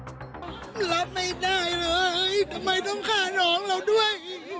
ผมรับไม่ได้เลยทำไมต้องฆ่าน้องเราด้วย